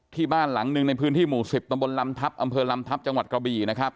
ที่บ้านหลังหนึ่งในพื้นที่หมู่๑๐ตำบลลำทัพอำเภอลำทัพจังหวัดกระบี่นะครับ